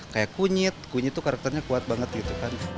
kayak kunyit kunyit tuh karakternya kuat banget gitu kan